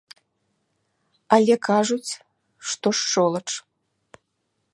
Але кажуць, што шчолач.